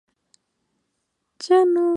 Habita en las Fiyi.